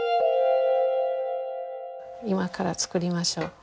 今から作りましょう。